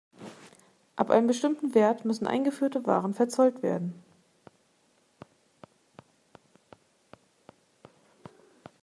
Ab einem bestimmten Wert müssen eingeführte Waren verzollt werden.